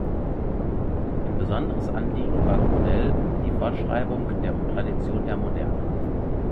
Ein besonderes Anliegen war Crodel die Fortschreibung der Traditionen der Moderne.